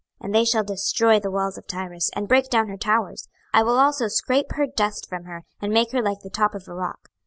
26:026:004 And they shall destroy the walls of Tyrus, and break down her towers: I will also scrape her dust from her, and make her like the top of a rock.